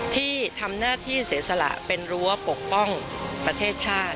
ที่ทำหน้าที่เสียสละเป็นรั้วปกป้องประเทศชาติ